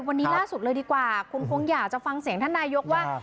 วันนี้ล่าสุดเลยดีกว่าคุณคงอยากจะฟังเสียงท่านนายกว่า